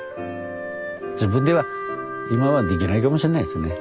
自分では今はできないかもしんないですね。